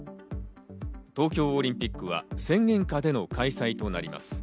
東京オリンピックは宣言下での開催となります。